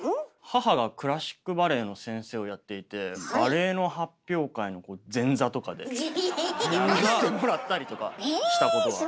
母がクラシックバレエの先生をやっていてえぇ⁉ママの？やらせてもらったりとかしたことが。